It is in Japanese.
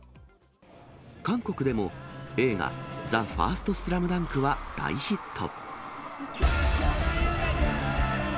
韓国でも映画、ＴＨＥＦＩＲＳＴＳＬＡＭＤＵＮＫは大ヒット。